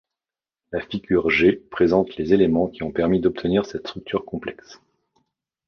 La figure G présente les éléments qui ont permis d'obtenir cette structure complexe.